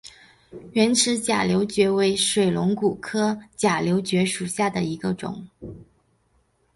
圆齿假瘤蕨为水龙骨科假瘤蕨属下的一个种。